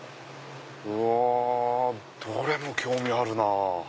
うわどれも興味あるなぁ。